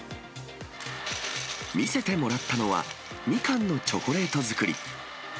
見せてもらったのは、ミカンのチョコレート作り。